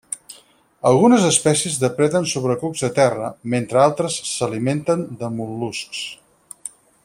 Algunes espècies depreden sobre cucs de terra, mentre altres s'alimenten de mol·luscs.